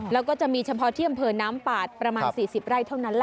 แล้วก็จะมีเฉพาะที่อำเภอน้ำปาดประมาณ๔๐ไร่เท่านั้นล่ะ